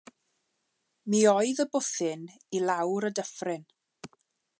Mi oedd y bwthyn i lawr y dyffryn.